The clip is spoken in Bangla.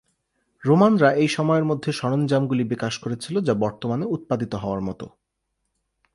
রোমানরা এই সময়ের মধ্যে সরঞ্জামগুলি বিকাশ করেছিল যা বর্তমানে উৎপাদিত হওয়ার মতো।